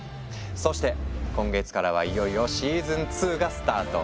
そして今月からはいよいよシーズン２がスタート。